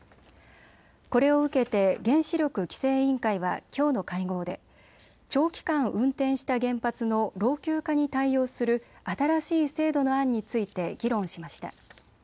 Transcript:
これを受けて原子力規制委員会はきょうの会合で長期間運転した原発の老朽化に対応する新しい制度の案について議論しました。